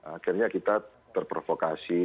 akhirnya kita terprovokasi